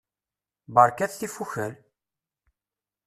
Berkat tifukal!